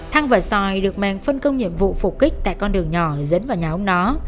thăng và sòi được mang phân công nhiệm vụ phục kích tại con đường nhỏ dẫn vào nhà ông nó